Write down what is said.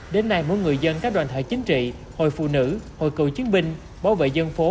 đến nay mỗi người dân các đoàn thể chính trị hội phụ nữ hội cựu chiến binh bảo vệ dân phố